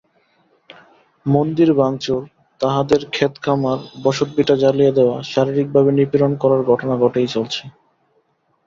মন্দির ভাঙচুর, তাদের খেতখামার-বসতভিটা জ্বালিয়ে দেওয়া, শারীরিকভাবে নিপীড়ন করার ঘটনা ঘটেই চলেছে।